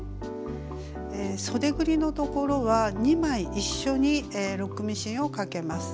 そでぐりのところは２枚一緒にロックミシンをかけます。